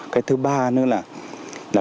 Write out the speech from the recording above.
cái thứ ba nữa là